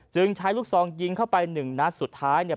จึงใช้ลูกทรองยิงเข้าไป๑นัดสุดท้าย